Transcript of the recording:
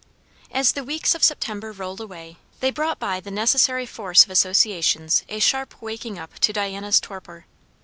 As the weeks of September rolled away, they brought by the necessary force of associations a sharp waking up to Diana's torpor.